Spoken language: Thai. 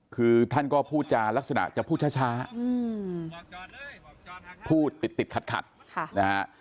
คือท่านก็พูดจารักษณะจะพูดช้าพูดติดติดขัดนะฮะ